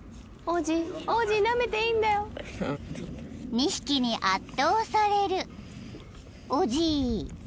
［２匹に圧倒されるオジー］